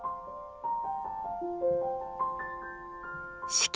四季